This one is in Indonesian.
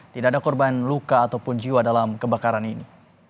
tidak ada korban luka ataupun jiwa dalam kebakaran ini